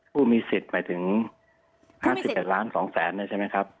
ผู้มีสิทธิ์หมายถึง๕๑ล้าน๒แสนเนี่ยใช่ไหมครับ